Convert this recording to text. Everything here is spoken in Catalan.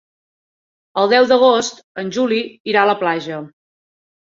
El deu d'agost en Juli irà a la platja.